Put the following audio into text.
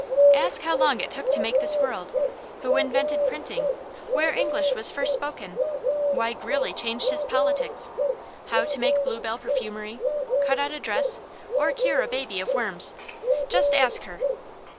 "Ask how long it took to make this world, who invented printing, where English was first spoken, why Greeley changed his politics, how to make bluebell perfumery, cut out a dress, or cure a baby of worms. Just ask her!"